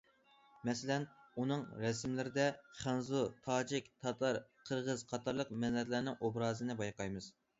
مەسىلەن، ئۇنىڭ رەسىملىرىدە خەنزۇ، تاجىك، تاتار، قىرغىز قاتارلىق مىللەتلەرنىڭ ئوبرازىنى بايقايمىز.